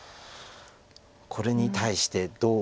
これに対してどう。